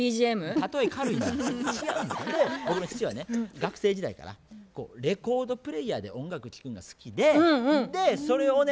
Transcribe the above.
学生時代からレコードプレーヤーで音楽聴くんが好きでそれをね